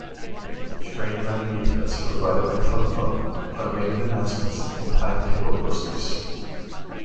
Train running details are provided by telephone, automated announcements and timetable posters.